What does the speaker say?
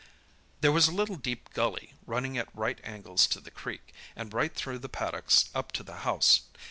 "There was a little, deep gully running at right angles to the creek, and right through the paddocks up to the house.